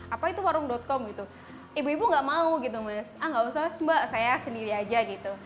apa itu warung com gitu ibu ibu nggak mau gitu mas ah nggak usah mas mbak saya sendiri aja gitu